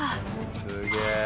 すげえ！